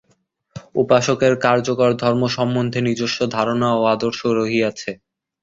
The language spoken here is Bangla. উপাসকেরও কার্যকর ধর্ম সম্বন্ধে নিজস্ব ধারণা ও আদর্শ রহিয়াছে।